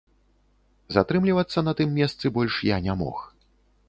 Затрымлівацца на тым месцы больш я не мог.